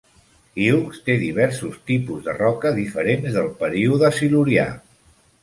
Hughes té diversos tipus de roca diferents del període silurià.